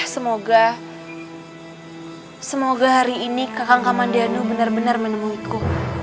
semoga semoga hari ini kakak kakak mandiano benar benar menemuku